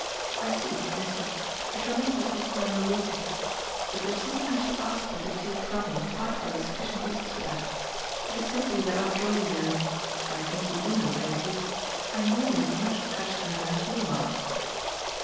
"I see, I see I shall make you keep Nanda waiting. But there's something I shall ask you to take from me quite as a sufficient basis for that: which is simply that after all, you know for I think you do know, don't you? I'm nearly as much attached to her as you are."